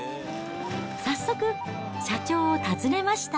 早速、社長を訪ねました。